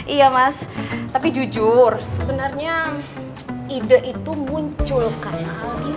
iya mas tapi jujur sebenernya ide itu muncul karena